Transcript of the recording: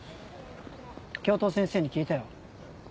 教頭先生に聞いたよ。